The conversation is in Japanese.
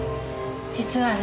実はね。